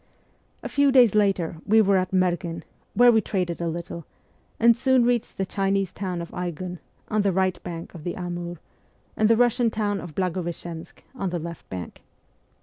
A few days later we were at Merghen, where we traded a little, and soon reached the Chinese town of Aigun, on the right bank of the Amur, and the Kussian town of Blagoveschensk, on the left bank.